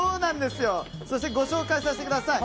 そしてご紹介させてください。